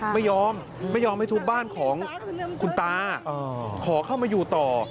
ไม่ยอมไม่ยอมให้ทุบบ้านของคุณตาขอเข้ามาอยู่ต่อ